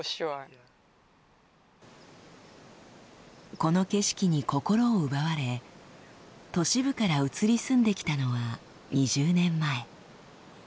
この景色に心を奪われ都市部から移り住んできたのは２０年前。